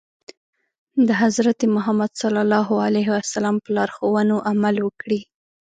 د حضرت محمد ص په لارښوونو عمل وکړي.